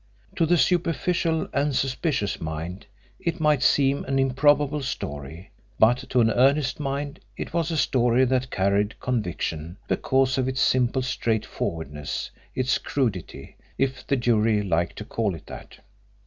To the superficial and suspicious mind it might seem an improbable story, but to an earnest mind it was a story that carried conviction because of its simple straightforwardness its crudity, if the jury liked to call it that.